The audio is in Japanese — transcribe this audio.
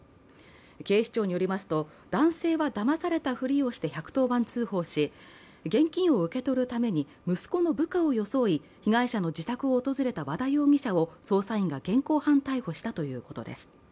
警視庁によりますと、男性はだまされたふりをして１１０番通報し、現金を受け取るために息子の部下を装い被害者の自宅を訪れた和田容疑者を捜査員が現行犯逮捕したということです。